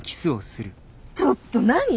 ちょっと何？